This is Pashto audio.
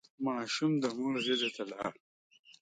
ماشوم د مور غېږ ته لاړ.